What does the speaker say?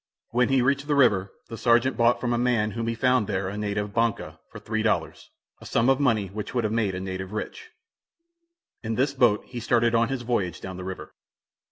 When he reached the river the sergeant bought from a man whom he found there a native "banca," for three dollars, a sum of money which would make a native rich. In this boat he started on his voyage down the river.